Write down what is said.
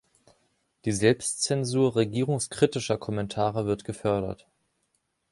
Die Selbstzensur regierungskritischer Kommentare wird gefördert.